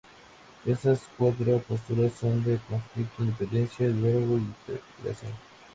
Esas cuatro posturas son de conflicto, independencia, diálogo e integración.